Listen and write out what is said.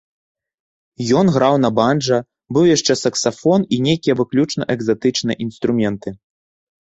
Ён граў на банджа, быў яшчэ саксафон і нейкія выключна экзатычныя інструменты.